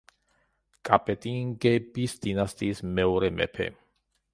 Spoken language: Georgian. კაპეტინგების დინასტიის მეორე მეფე.